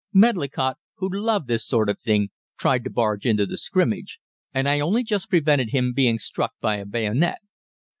Medlicott, who loved this sort of thing, tried to barge into the scrimmage, and I only just prevented him being struck by a bayonet.